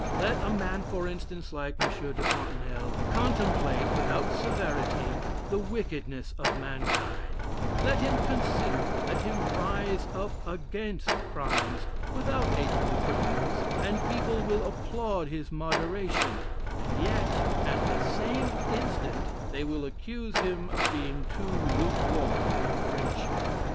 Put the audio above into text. Let a man, for instance, like M. de Fontenelle, contemplate, without severity, the wickedness of mankind; let him consider it, let him rise up against crimes without hating the criminals, and people will applaud his moderation; and yet, at the same instant, they will accuse him of being too lukewarm in friendship.